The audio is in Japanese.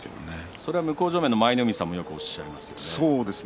それは向正面の舞の海さんもよくおっしゃいますね。